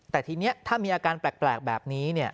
แต่ทีนี้ถ้ามีอาการแปลกแบบนี้เนี่ย